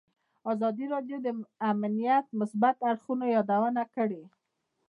ازادي راډیو د امنیت د مثبتو اړخونو یادونه کړې.